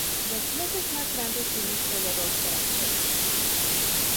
Los bloques más grandes tienen sólo dos caracteres.